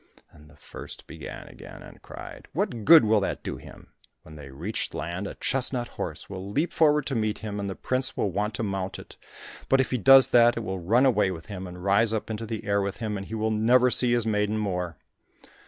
Then the first began again, and cried, "What good will that do him? When they reach land a chestnut horse will leap forward to meet him, and the prince will want to mount it, but if he does that, it will run away with him, and rise up into the air with him, and he will never see his maiden more."